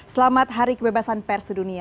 selamat hari kebebasan persedunia